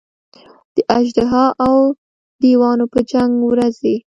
د اژدها او دېوانو په جنګ ورځي.